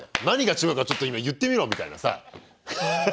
「何が違うかちょっと今言ってみろ」みたいなさ。